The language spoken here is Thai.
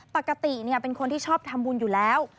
ปกติเป็นคนที่ชอบทำบุญอยู่แล้ว